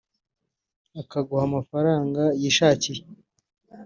akaguha amafaranga yishakiye